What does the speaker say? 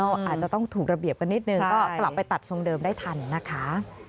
ก็อาจจะต้องถูกระเบียบกันนิดนึงก็กลับไปตัดทรงเดิมได้ทันนะคะ